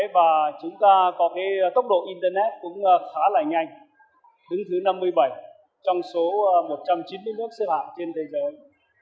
và chúng ta có tốc độ internet cũng khá là nhanh đứng thứ năm mươi bảy trong số một trăm chín mươi nước xếp hạng trên thế giới